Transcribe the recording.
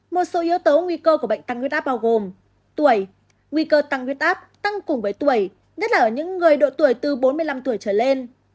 một số yếu tố nguy cơ của bệnh tăng huyết áp bao gồm tuổi nguy cơ tăng huyết áp tăng cùng với tuổi nhất là ở những người độ tuổi từ bốn mươi năm tuổi trở lên